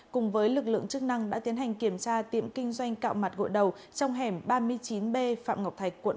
cùng với lực lượng chức năng đã tiến hành kiểm tra tiệm kinh doanh cạo mặt gội đầu trong hẻm ba mươi chín b phạm ngọc thạch quận tám